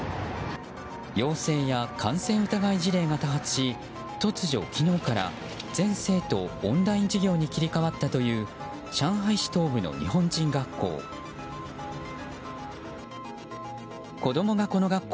陽性や感染疑い事例が多発し突如、昨日から全生徒オンライン授業に切り替わったという上海市東部の日本人学校。